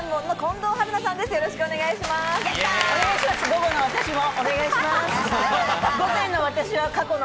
午後の私もお願いします。